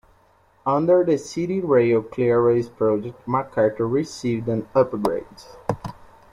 Under the CityRail Clearways Project, Macarthur received an upgrade.